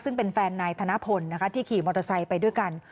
ซึ่งเป็นแฟนนายธนพลนะคะที่ขี่มอเตอร์ไซค์ไปด้วยกัน